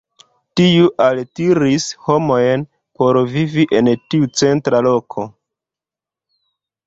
Tiu altiris homojn por vivi en tiu centra loko.